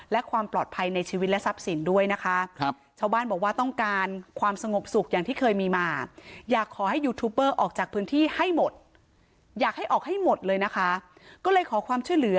และความปลอดภัยในชีวิตและทรัพย์สินด้วยนะคะ